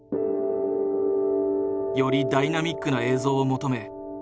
よりダイナミックな映像を求め